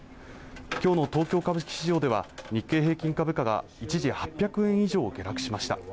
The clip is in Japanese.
きょうの東京株式市場では日経平均株価が一時８００円以上下落しました